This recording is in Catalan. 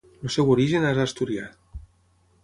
El seu origen és asturià.